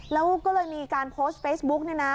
แล้วก็เลยมีการโพสต์เฟซบุ๊กเนี่ยนะ